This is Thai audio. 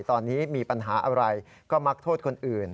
ตอนนี้มีปัญหาอะไรก็มักโทษคนอื่น